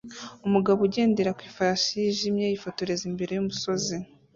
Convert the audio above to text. Umugabo ugendera ku ifarashi yijimye yifotoje imbere yumusozi